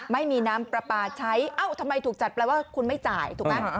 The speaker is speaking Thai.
ไม่มีน้ำปลาปลาใช้เอ้าทำไมถูกจัดแปลว่าคุณไม่จ่ายถูกไหม